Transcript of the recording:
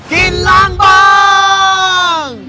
กินล้างบาง